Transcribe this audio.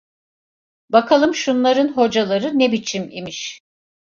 Bakalım şunların hocaları ne biçim imiş?